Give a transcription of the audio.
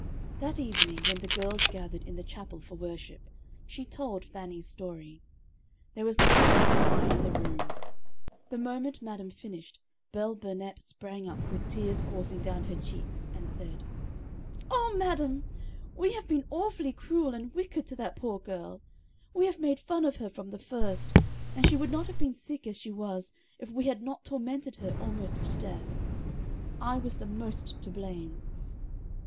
That evening, when the girls gathered in the chapel for worship, she told Fannie's story. There was not a dry eye in the room. The moment madam finished, Belle Burnette sprang up with the tears coursing down her cheeks, and said: "Oh, madam! We have been awfully cruel and wicked to that poor girl. We have made fun of her from the first, and she would not have been sick as she was if we had not tormented her almost to death. I was the most to blame.